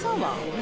何？